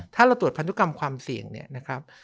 ถ้าเราตรวจพันธุกรรมความเสี่ยงเนี่ยนะครับ